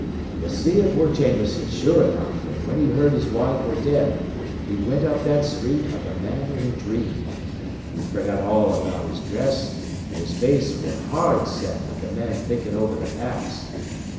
"Ye see it ware Jameson, sure enough, an whin he heard his wife ware dead, he wint up that street like a man in a dream. He forgot all about his dress, an' his face ware hard set like a man thinkin' over th' past.